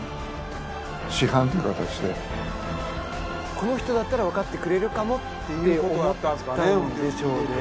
この人だったら分かってくれるかもって思ったんでしょうね。